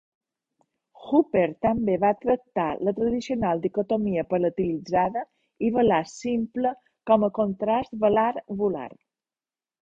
Hopper també va tractar la tradicional dicotomia palatalitzada i velar simple com a contrast velar-uvular.